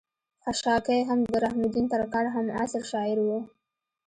خشاکے هم د رحم الدين ترکاڼ هم عصر شاعر وو